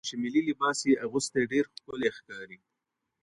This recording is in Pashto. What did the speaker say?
هغه ځوان چې ملي لباس یې اغوستی ډېر ښکلی ښکاري.